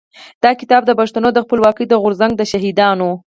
دا کتاب د پښتنو د خپلواکۍ د غورځنګ د شهيدانو.